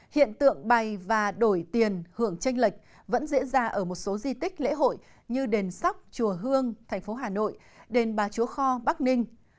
hiện tượng bày và đổi tiền hưởng tranh lệch vẫn diễn ra ở một số di tích lễ hội như đền sóc chùa hương thành phố hà nội đền bà chúa kho bắc ninh